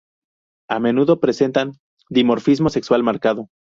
A menudo presentan dimorfismo sexual marcado.